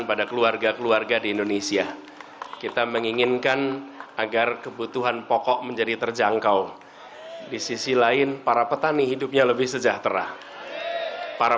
perubahan yang kita lakukan adalah untuk memperbaiki kesehatan yang kita lakukan